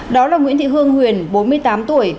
đó là nguyễn thị hương huyền bốn mươi tám tuổi